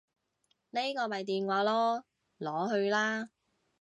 呢個咪電話囉，攞去啦